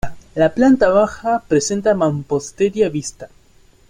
La planta baja presenta mampostería vista.